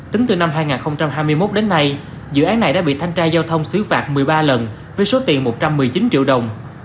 tính từ năm hai nghìn hai mươi một đến nay dự án này đã bị thanh tra giao thông xử phạt một mươi ba lần với số tiền một trăm một mươi chín triệu đồng